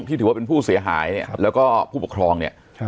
ที่ถือว่าเป็นผู้เสียหายเนี้ยครับแล้วก็ผู้ปกครองเนี้ยครับ